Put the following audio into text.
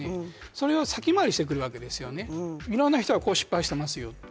それを先回りしてくるわけですよね、いろんな人が失敗していますよって。